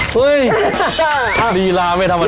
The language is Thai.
ฮียี่ราไม่ธรรมดา